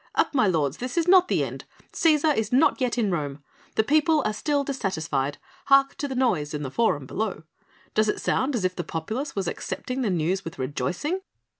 Up, my lords, this is not the end! Cæsar is not yet in Rome! The people are still dissatisfied. Hark to the noise in the Forum below! Does it sound as if the populace was accepting the news with rejoicing?